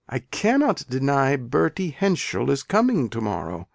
I cannot deny Bertie Henschel is coming tomorrow.